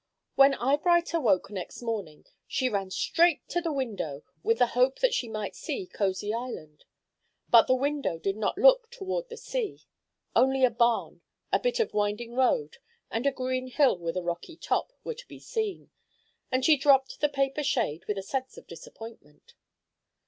When Eyebright awoke next morning, she ran straight to the window, with the hope that she might see Causey Island. But the window did not look toward the sea. Only a barn, a bit of winding road, and a green hill with a rocky top, were to be seen; and she dropped the paper shade with a sense of disappointment.